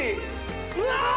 うわ！